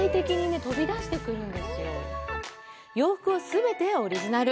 洋服は全てオリジナル。